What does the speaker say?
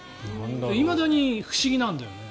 いまだに不思議なんだよね。